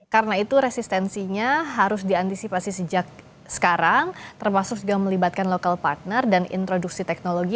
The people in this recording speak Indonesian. karena itu resistensinya harus diantisipasi sejak sekarang termasuk juga melibatkan local partner dan introduksi teknologi